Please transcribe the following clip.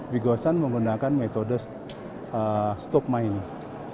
big gosen menggunakan metode stop mining